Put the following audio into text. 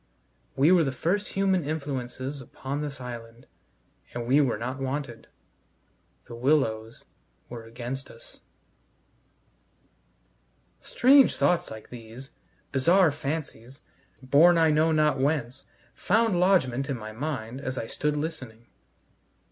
We were the first human influences upon this island, and we were not wanted. The willows were against us. Strange thoughts like these, bizarre fancies, borne I know not whence, found lodgment in my mind as I stood listening.